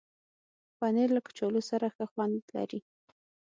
پنېر له کچالو سره ښه خوند لري.